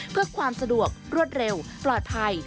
เพื่อความสะดวกรวดเร็วปลอดภัย